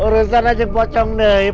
urusan aja pocong nih